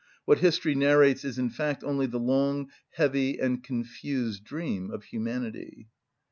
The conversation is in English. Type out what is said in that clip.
What history narrates is in fact only the long, heavy, and confused dream of humanity.